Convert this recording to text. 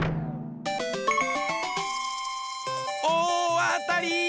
おおあたり！